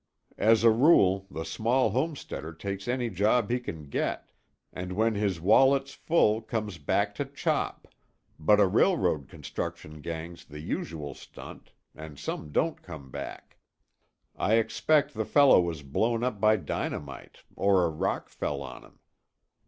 As a rule, the small homesteader takes any job he can get, and when his wallet's full comes back to chop, but a railroad construction gang's the usual stunt and some don't come back. I expect the fellow was blown up by dynamite or a rock fell on him.